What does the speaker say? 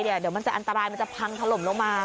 เดี๋ยวมันจะอันตรายมันจะพังถล่มลงมา